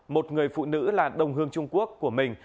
một người phụ nữ là đồng hương trung quốc của mình